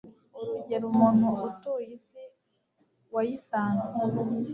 urugero muntu utuye isi wayisanze